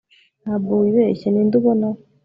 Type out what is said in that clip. Ntabwo wibeshye ninde ubona